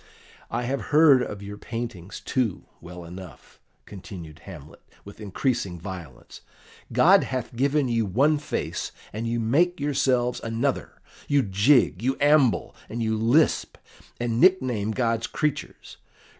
"I have heard of your paintings, too, well enough," continued Hamlet, with increasing violence. "God hath given you one face, and you make yourselves another; you jig, you amble, and you lisp, and nickname God's creatures.